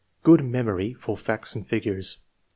Good memory for facts and figures.